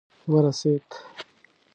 ورسېد.